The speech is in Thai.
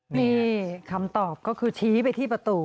นี่คำตอบก็คือชี้ไปที่ประตู